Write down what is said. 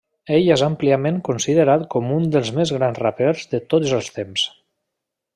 Ell és àmpliament considerat com un dels més grans rapers de tots els temps.